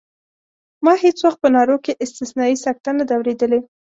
ما هېڅ وخت په نارو کې استثنایي سکته نه ده اورېدلې.